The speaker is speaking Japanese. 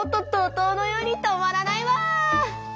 とうのように止まらないわ！